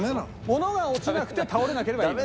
ものが落ちなくて倒れなければいいのね。